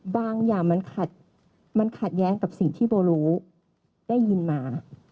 อย่างมันขัดแย้งกับสิ่งที่โบรู้ได้ยินมา